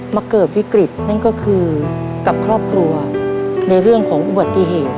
เกิดวิกฤตนั่นก็คือกับครอบครัวในเรื่องของอุบัติเหตุ